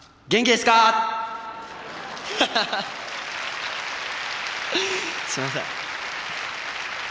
すみません。